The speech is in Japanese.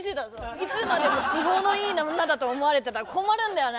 いつまでも都合のいい女だと思われてたら困るんだよな。